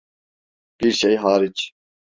Bir şey hariç.